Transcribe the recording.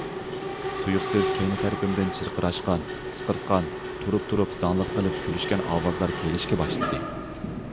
تۇيۇقسىز كەينى تەرىپىمدىن چىرقىراشقان، ئىسقىرتقان، تۇرۇپ- تۇرۇپ زاڭلىق قىلىپ كۈلۈشكەن ئاۋازلار كېلىشكە باشلىدى.